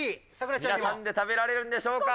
皆さんで食べられるんでしょうか。